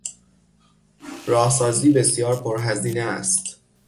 راهسازی بسیار پر هزینه است.